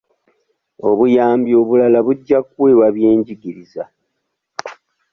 Obuyambi obulala bujja kuweebwa byenjigiriza.